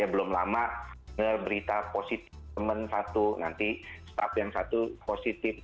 belum lama ngerita positif teman satu nanti staff yang satu positif